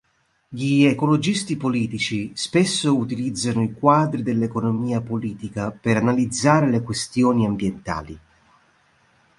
Gli ecologisti politici spesso utilizzano i quadri dell'economia politica per analizzare le questioni ambientali.